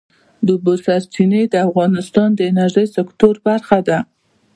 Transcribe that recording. د اوبو سرچینې د افغانستان د انرژۍ سکتور برخه ده.